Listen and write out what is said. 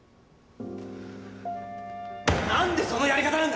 なんでそのやり方なんだ？